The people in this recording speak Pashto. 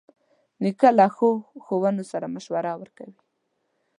نیکه له ښو ښوونو سره مشوره ورکوي.